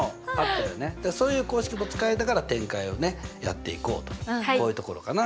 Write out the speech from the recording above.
そういう公式も使いながら展開をねやっていこうとこういうところかな。